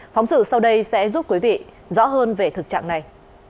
phóng sự sau đây sẽ giúp quý vị rõ hơn về thực trạng này